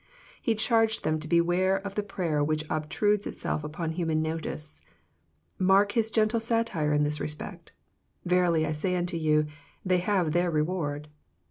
He charged them to beware of the prayer which obtrudes itself upon human notice. Mark His gentle satire in this respect, " Verily I say unto you, they have their reward."